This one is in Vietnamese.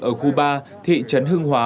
ở khu ba thị trấn hưng hóa